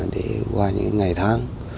để qua những ngày tháng